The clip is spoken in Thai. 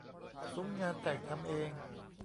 ซุ้มงานแต่งทำเอง